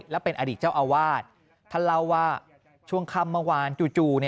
และเป็นอดีตเจ้าอาวาสท่านเล่าว่าช่วงค่ำเมื่อวานจู่